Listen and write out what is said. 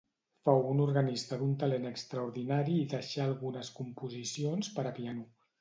Fou un organista d'un talent extraordinari i deixà algunes composicions per a piano.